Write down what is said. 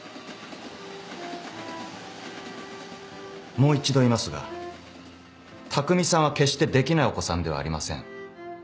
もう一度言いますが匠さんは決してできないお子さんではありません。